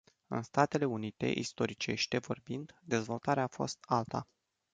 În Statele Unite, istoricește vorbind, dezvoltarea a fost alta.